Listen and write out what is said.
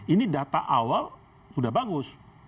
ini data awal sudah bagus